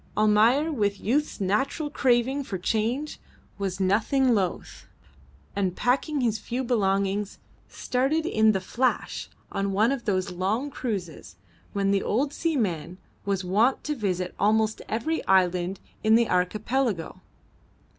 Almayer, with youth's natural craving for change, was nothing loth, and packing his few belongings, started in the Flash on one of those long cruises when the old seaman was wont to visit almost every island in the archipelago.